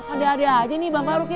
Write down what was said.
ada ada aja nih mbak faruknya